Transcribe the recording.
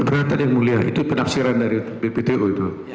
kelihatan yang mulia itu penafsiran dari bptu itu